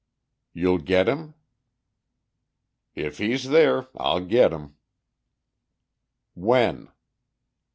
"You'll get him?" "If he's there I'll get him." "When?"